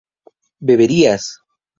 beberías